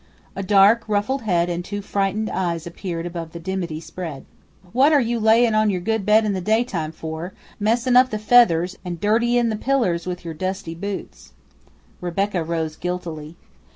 A dark ruffled head and two frightened eyes appeared above the dimity spread. "What are you layin' on your good bed in the daytime for, messin' up the feathers, and dirtyin' the pillers with your dusty boots?" Rebecca rose guiltily.